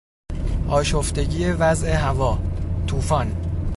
آشفتگی وضع هوا، طوفان